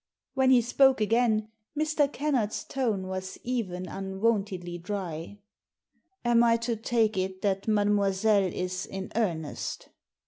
When he spoke again Mr. Kennard's tone was even unwontedly dry. "Am I to take it that mademoiselle is in earnest?"